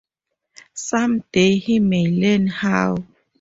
Some day he may learn how.